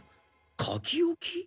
書きおき？